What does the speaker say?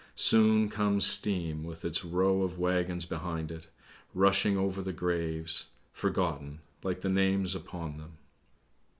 Soon comes Steam with its row of waggons behind it, rushing over the graves, forgotten, like the names upon them.